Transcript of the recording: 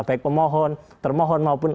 baik pemohon termohon maupun